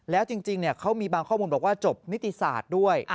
แล้วจริงเขามีบางข้อมูลบอกว่าจบนิติศาสตร์ด้วย